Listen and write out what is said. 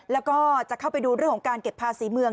แล้วก็จะเข้าไปดูเรื่องของการเก็บภาษีเมือง